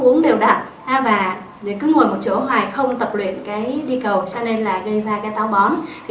bận động nữa ạ và để cứ ngồi một chỗ hoài không tập luyện cái đi cầu cho nên là gây ra cái táo bón thì